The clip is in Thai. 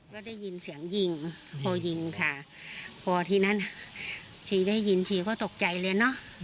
ก็ได้ยินเสียงยิงพอยิงค่ะพอทีนั้นทีได้ยินทีก็ตกใจเลยเนอะ